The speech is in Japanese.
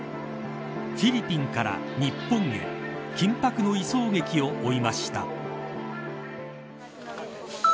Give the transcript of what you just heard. フィリピンから日本へ緊迫の移送劇を追いました。